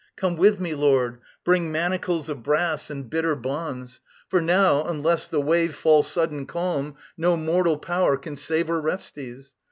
Come with me, Lord. Bring manacles of brass And bitter bonds. For now, unless the wave Fall sudden calm, no mortal power can save Orestes.